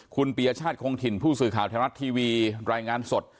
ผู้สื่อข่าวทางอันลัตรีทีวีรายงานสด